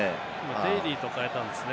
デイリーと代えたんですね。